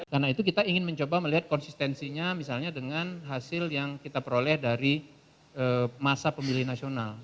karena itu kita ingin mencoba melihat konsistensinya misalnya dengan hasil yang kita peroleh dari masa pemilih nasional